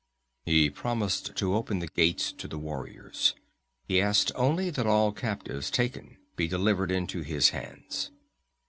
"He promised to open the gates to the warriors. He asked only that all captives taken be delivered into his hands.